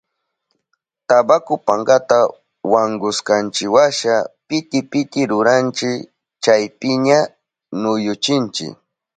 Tabaku pankata wankushkanchiwasha piti piti ruranchi, chaypiña ñuyuchinchi.